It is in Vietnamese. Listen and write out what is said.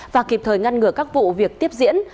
và kịp thời ngăn ngừa các vụ việc tiếp diễn